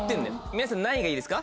皆さん何位がいいですか？